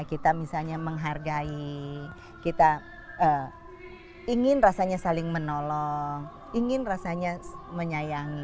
kita misalnya menghargai kita ingin rasanya saling menolong ingin rasanya menyayangi